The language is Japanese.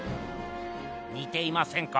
にていませんか？